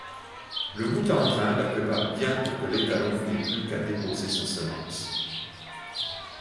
Le boute-en-train la prépare bien pour que l'étalon n'ait plus qu'à déposer sa semence.